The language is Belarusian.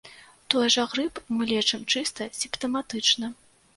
Той жа грып мы лечым чыста сімптаматычна.